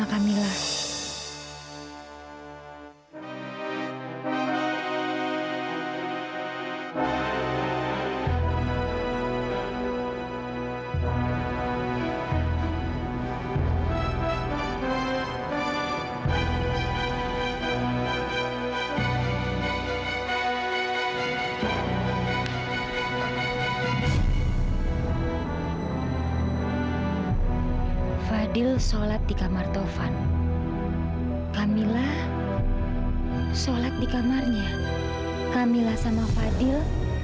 kamilah sama fadil